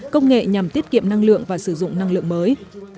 công nghệ nhằm tiết kiệm năng lượng và sử dụng năng lượng mới